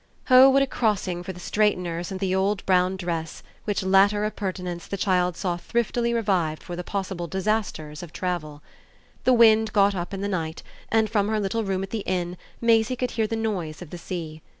Oh what a crossing for the straighteners and the old brown dress which latter appurtenance the child saw thriftily revived for the possible disasters of travel! The wind got up in the night and from her little room at the inn Maisie could hear the noise of the sea.